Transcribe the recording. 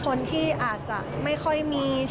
คนที่อาจจะไม่ค่อยมี